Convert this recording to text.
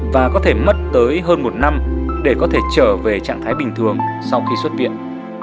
và có thể mất tới hơn một năm để có thể trở về trạng thái bình thường sau khi xuất viện